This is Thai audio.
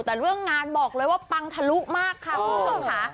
แต่เรื่องงานบอกเลยว่าปังทะลุมากค่ะคุณผู้ชมค่ะ